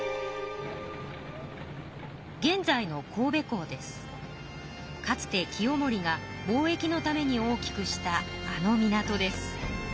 現在のかつて清盛が貿易のために大きくしたあの港です。